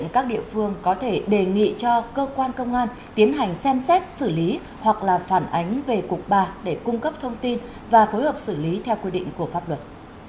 các địa phương có thể đề nghị cho cơ quan công an tiến hành xem xét xử lý hoặc là phản ánh về cục ba để cung cấp thông tin và phối hợp xử lý theo quy định của pháp luật